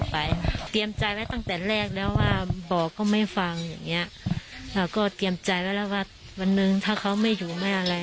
พ่อเตรียมใจไว้แล้วว่าวันหนึ่งถ้าเขาไม่อยู่ไม่อะไร